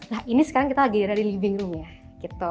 nah ini sekarang kita lagi dari living room ya gitu